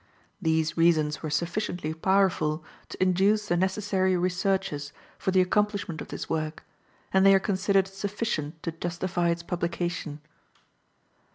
These reasons were sufficiently powerful to induce the necessary researches for the accomplishment of this work, and they are considered sufficient to justify its publication.